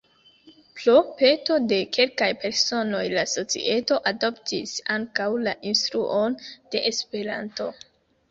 Pro peto de kelkaj personoj, la societo adoptis ankaŭ la instruon de Esperanto.